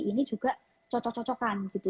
ini juga cocok cocokan gitu